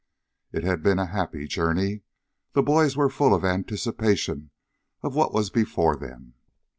It had been a happy journey. The boys were full of anticipation of what was before them.